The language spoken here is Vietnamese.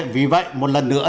vì vậy một lần nữa